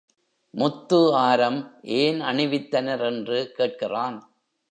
முத்து ஆரம் ஏன் அணிவித்தனர் என்று கேட்கிறான்.